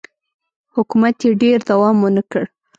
حکومت یې ډېر دوام ونه کړ.